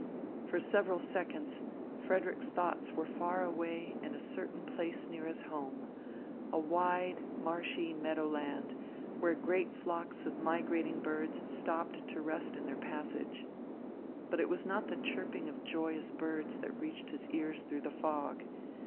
For several seconds Frederick's thoughts were far away in a certain place near his home, a wide, marshy meadow land, where great flocks of migrating birds stopped to rest in their passage. But it was not the chirping of joyous birds that reached his ears through the fog.